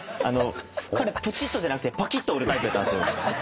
彼プチッとじゃなくてパキッと折るタイプやったんすよ。